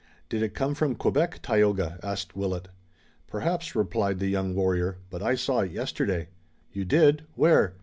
"Did it come from Quebec, Tayoga?" asked Willet. "Perhaps," replied the young warrior, "but I saw it yesterday." "You did! Where?"